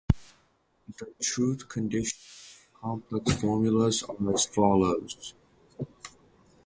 The truth conditions for complex formulas are as follows.